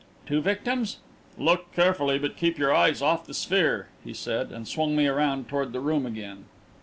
"Two victims?" "Look carefully, but keep your eyes off the sphere," he said, and swung me around toward the room again.